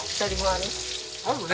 あるね。